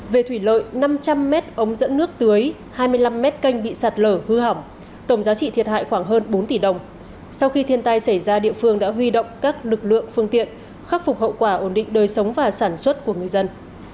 về thủy lợi năm trăm linh m ống dẫn nước tưới hai mươi năm mét canh bị sạt lở hư hỏng tổng giá trị thiệt hại khoảng hơn bốn tỷ đồng sau khi thiên tai xảy ra địa phương đã huy động các lực lượng phương tiện khắc phục hậu quả ổn định đời sống và sản xuất của người dân